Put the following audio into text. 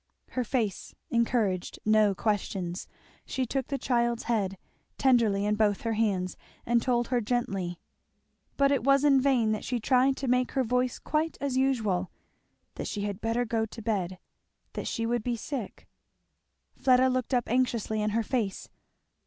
Her face encouraged no questions. She took the child's head tenderly in both her hands, and told her gently, but it was in vain that she tried to make her voice quite as usual, that she had better go to bed that she would be sick. Fleda looked up anxiously in her face.